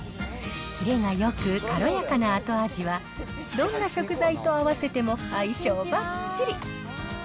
キレがよく、軽やかな後味は、どんな食材と合わせても相性ばっちり。